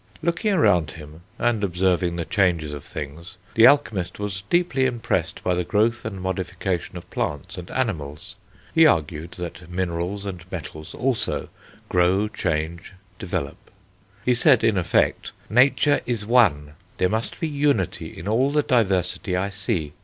Looking around him, and observing the changes of things, the alchemist was deeply impressed by the growth and modification of plants and animals; he argued that minerals and metals also grow, change, develop. He said in effect: "Nature is one, there must be unity in all the diversity I see.